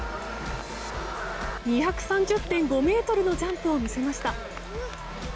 ２３０．５ｍのジャンプを見せました。